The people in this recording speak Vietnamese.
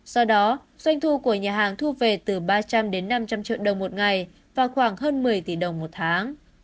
do đó doanh thu của nhà hàng thu về từ ba trăm linh đến năm trăm linh triệu đồng một ngày vào khoảng hơn một mươi tỷ đồng một tháng